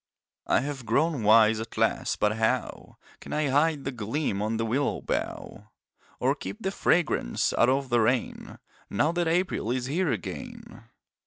I have grown wise at last but how Can I hide the gleam on the willow bough, Or keep the fragrance out of the rain Now that April is here again?